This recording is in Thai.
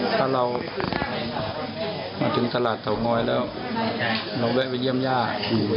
ถ้าเรามาถึงตลาดเตางอยแล้วเราแวะไปเยี่ยมย่า